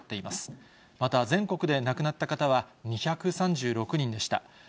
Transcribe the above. また、全国で亡くなった方は２３６人でした。